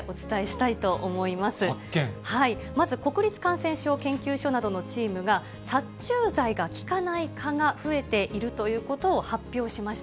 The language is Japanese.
まず国立感染症研究所などのチームが、殺虫剤が効かない蚊が増えているということを発表しました。